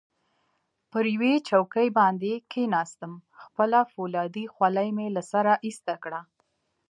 پر یوې چوکۍ باندې کښېناستم، خپله فولادي خولۍ مې له سره ایسته کړه.